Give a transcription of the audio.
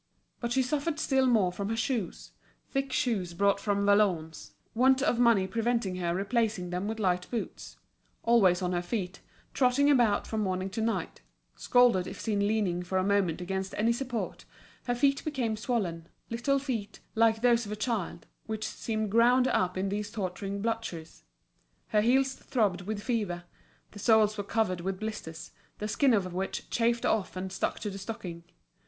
But she suffered still more from her shoes, thick shoes brought from Valognes, want of money preventing her replacing them with light boots. Always on her feet, trotting about from morning to night, scolded if seen leaning for a moment against any support, her feet became swollen, little feet, like those of a child, which seemed ground up in these torturing bluchers; her heels throbbed with fever, the soles were covered with blisters, the skin of which chafed off and stuck to the stocking.